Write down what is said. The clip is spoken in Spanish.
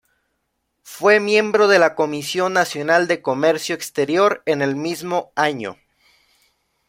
Fue miembro de la Comisión Nacional de Comercio Exterior en el mismo año.